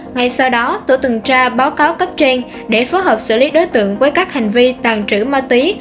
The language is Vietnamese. ngay sau đó tổ tuần tra báo cáo cấp trên để phối hợp xử lý đối tượng với các hành vi tàn trữ ma túy